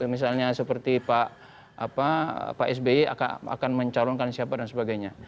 misalnya seperti pak sby akan mencalonkan siapa dan sebagainya